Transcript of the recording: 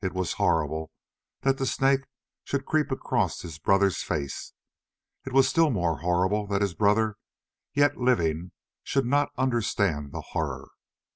It was horrible that the snake should creep across his brother's face, it was still more horrible that his brother, yet living, should not understand the horror.